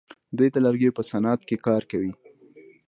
دوی د لرګیو په صنعت کې کار کوي.